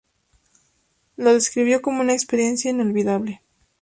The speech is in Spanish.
Lo describió como una experiencia inolvidable.